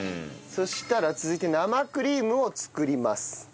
そうしたら続いて生クリームを作ります。